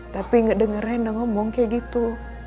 tapi gak denger rena ngomong kayak gitu